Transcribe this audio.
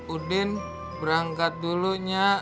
udin berangkat dulu nya